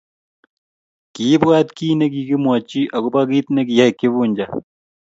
kiibwaat kiit nekikimwochi akobo kiit nekiyai Kifuja